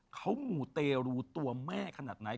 เขามูเตรูตัวแม่ขนาดไหน